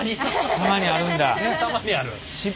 たまにあるんだ。